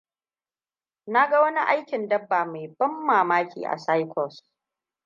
Na ga wani aikin dabba mai ban mamaki a circus.